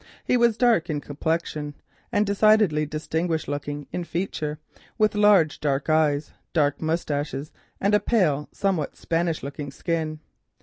He was dark in complexion and decidedly distinguished looking in feature, with large dark eyes, dark moustachios, and a pale, somewhat Spanish looking skin.